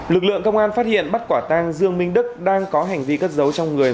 lực lượng công an phát hiện bắt quả tang dương minh đức đang có hành vi cất giấu trong người